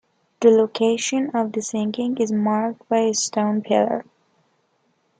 The location of the signing is marked by a stone pillar.